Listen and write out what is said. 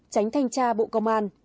tránh thanh tra bộ công an